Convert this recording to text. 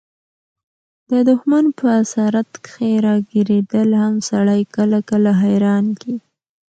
د دښمن په اسارت کښي راګیرېدل هم سړى کله – کله حيران کي.